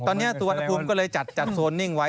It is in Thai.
ตอนนี้สุวรรณภูมิก็เลยจัดโซนนิ่งไว้